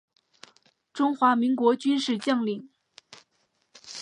中华民国军事将领。